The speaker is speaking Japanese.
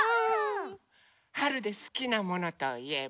はるですきなものといえば？